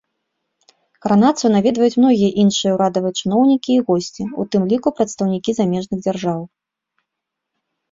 Каранацыю наведваюць многія іншыя ўрадавыя чыноўнікі і госці, у тым ліку прадстаўнікі замежных дзяржаў.